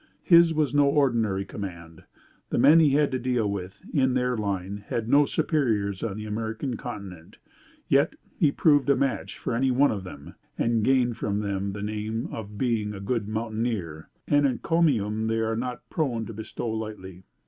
His was no ordinary command. The men he had to deal with, in their line, had no superiors on the American Continent; yet, he proved a match for any one of them and gained from them the name of being a good mountaineer, an encomium they are not prone to bestow lightly.